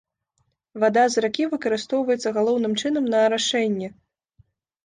Вада з ракі выкарыстоўваецца галоўным чынам на арашэнне.